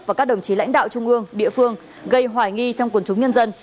và các đồng chí lãnh đạo trung ương địa phương gây hoài nghi trong quần chúng nhân dân